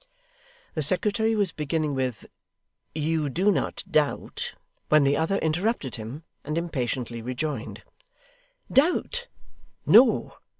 The secretary was beginning with 'You do not doubt,' when the other interrupted him, and impatiently rejoined: 'Doubt. No.